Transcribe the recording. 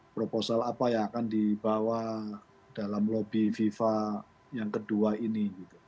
proposal apa yang akan dibawa dalam lobby fifa yang kedua ini